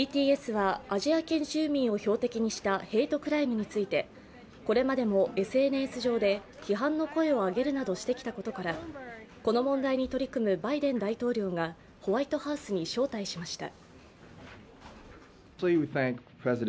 ＢＴＳはアジア系住民を標的にしたヘイトクライムについてこれまでもＳＮＳ上で批判の声を上げるなどしてきたことからこの問題に取り組むバイデン大統領がホワイトハウスに招待しました。